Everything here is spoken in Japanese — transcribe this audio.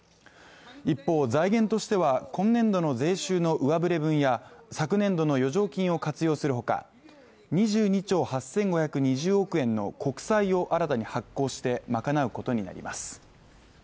一方財源としては今年度の税収の上ぶれ分や昨年度の余剰金を活用するほか２２兆８５２０億円の国債を新たに発行して賄うことになります